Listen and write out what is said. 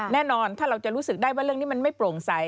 แน่นอนถ้าเราจะรู้สึกได้ว่าเรื่องนี้มันไม่โปร่งใส